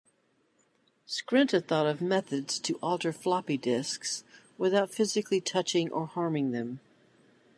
Skrenta thought of methods to alter floppy disks without physically touching or harming them.